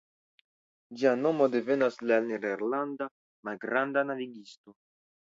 Ĝia nomo devenas de la nederlanda "malgranda navigisto".